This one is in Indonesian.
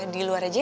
di luar aja ya